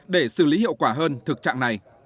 để xử lý hiệu quả hơn thực trạng này